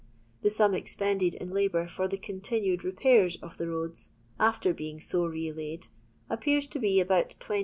The sum expended in labour for the continued repairs of the roads, after being so relaid, appears to be about 20,000